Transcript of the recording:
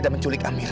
dan menculik amira